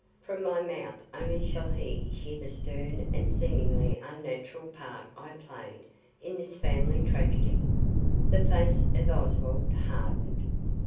From my mouth only shall he hear the stern and seemingly unnatural part I played in this family tragedy." The face of Oswald hardened.